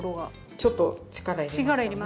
ちょっと力いりますよね。